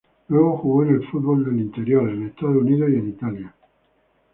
Luego jugó en el fútbol del interior, en Estados Unidos y en Italia.